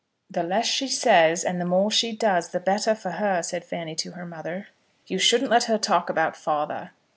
"The less she says and the more she does, the better for her," said Fanny to her mother. "You shouldn't let her talk about father."